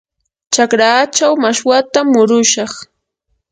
chakraachaw mashwatam murushaq.